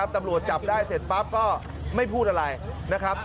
ตำรวจจับได้เสร็จปั๊บก็ไม่พูดอะไรนะครับ